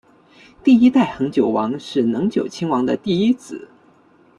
第一代恒久王是能久亲王的第一子。